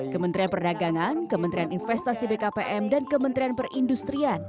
kementerian perdagangan kementerian investasi bkpm dan kementerian perindustrian